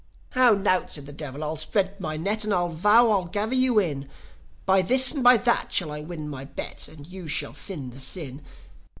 "How nowt' said the Devil. "I'll spread my net, And I vow I'll gather you in! By this and by that shall I win my bet, And you shall sin the sin!